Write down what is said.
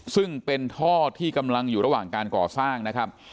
ซึ่งเป็นท่อที่กำลังอยู่ระหว่างการก่อสร้างนะครับ